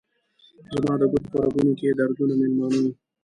زما د ګوتو په رګونو کې دردونه میلمانه وه